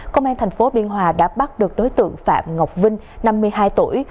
công an thành phố biên hòa đã bắt được đối tượng phạm ngọc vinh năm mươi hai tuổi